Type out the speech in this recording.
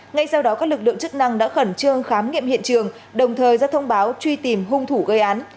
ngay sau đó các lực lượng chức năng đã khẩn trương khám nghiệm hiện trường đồng thời ra thông báo truy tìm hung thủ gây án